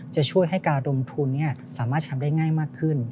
จะช่วยให้การดมทุนสามารถทำได้ง่ายมากขึ้น